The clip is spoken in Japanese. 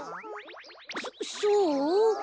そそう？